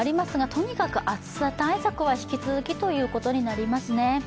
とにかく暑さ対策は引き続きということになりますね。